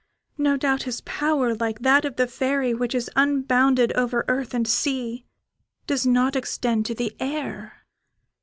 No doubt his power, like that of the Fairy, which is unbounded over earth and sea, does not extend to the air."